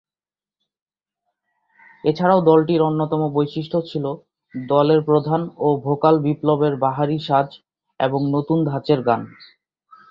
এছাড়াও দলটির অন্যতম বৈশিষ্ট্য ছিল দলের প্রধান ও ভোকাল বিপ্লবের বাহারি সাজ এবং নতুন ধাঁচের গান।